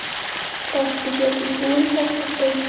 ستاسو د ریاضي ښؤونکی څوک دی؟